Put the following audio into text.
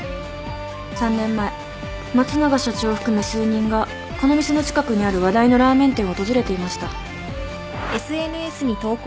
３年前松永社長を含め数人がこの店の近くにある話題のラーメン店を訪れていました。